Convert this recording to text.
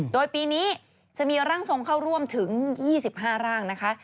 โดยปีนี้จะมีร่างทรงเข้าร่วมถึง๒๕ร่างนะคะ